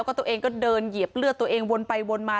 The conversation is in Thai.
ก็เดินเหยียบเลือดตัวเองวนไปวนมา